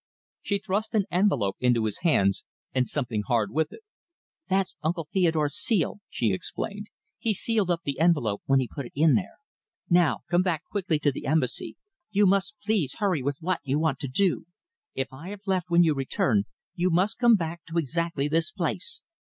She thrust an envelope into his hands, and something hard with it. "That's Uncle Theodore's seal," she explained. "He sealed up the envelope when he put it in there. Now come back quickly to the Embassy. You must please hurry with what you want to do. If I have left when you return, you must come back to exactly this place.